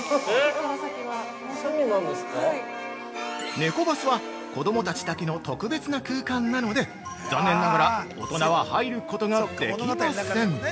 ◆ネコバスは、子供たちだけの特別な空間なので残念ながら大人は入ることができません。